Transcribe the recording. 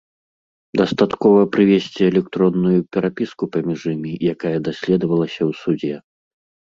Дастаткова прывесці электронную перапіску паміж імі, якая даследавалася ў судзе.